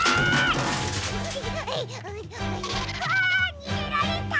にげられた！